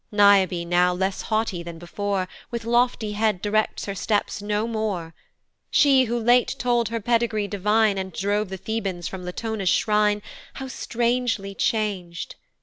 Niobe now, less haughty than before, With lofty head directs her steps no more She, who late told her pedigree divine, And drove the Thebans from Latona's shrine, How strangely chang'd!